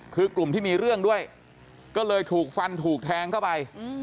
คือกลุ่มที่มีเรื่องด้วยก็เลยถูกฟันถูกแทงเข้าไป